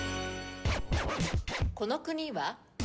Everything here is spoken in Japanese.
この国は？